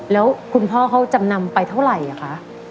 แล้วคุณพ่อเขาจำนำไปเท่าไหร่คะ